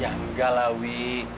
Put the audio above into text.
ya enggak lah wi